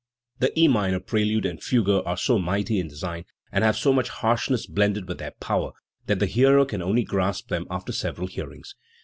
The E minor prelude and fugue are so mighty in design, and have so much harshness blended with their power, that the hearer can only grasp them after several hearings.